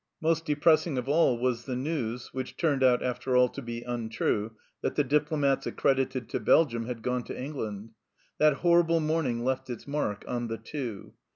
Most depress ing of all was the news which turned out after all to be untrue that the Diplomats accredited to Belgium had gone to England. That horrible morning left its mark on the Two.